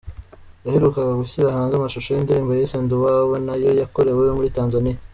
Yaherukaga gushyira hanze amashusho y’indirimbo yise ‘Ndi Uwawe’ nayo yakorewe muri Tanzania.